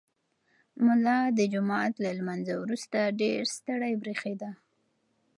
ملا د جومات له لمانځه وروسته ډېر ستړی برېښېده.